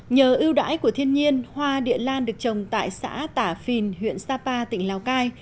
nhờ ưu đãi của thiên nhiên hoa địa lan được trồng tại xã tả phìn huyện sapa tỉnh lào cai